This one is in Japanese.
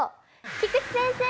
菊地先生！